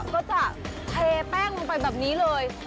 ก็จะเทแป้งลงไปแบบนี้เลย